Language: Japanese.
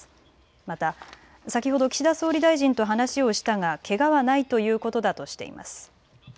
また先ほど岸田総理大臣と話をしたが、けがはないということだとしています。